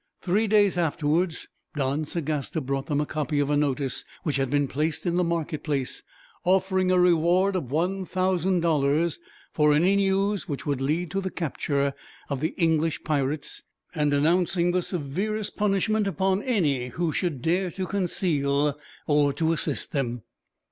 Three days afterwards, Don Sagasta brought them a copy of a notice which had been placed in the marketplace, offering a reward of 1000 dollars for any news which would lead to the capture of the English pirates, and announcing the severest punishment upon any who should dare to conceal, or to assist them.